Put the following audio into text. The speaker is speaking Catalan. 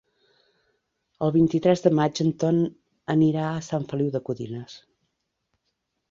El vint-i-tres de maig en Ton anirà a Sant Feliu de Codines.